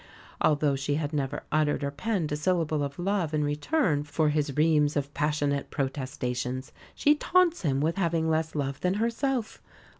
Although she had never uttered or penned a syllable of love in return for his reams of passionate protestations, she taunts him with having less love than herself!